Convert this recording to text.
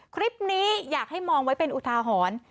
คลิปนี้อยากให้มองไว้เป็นอุทาหรณ์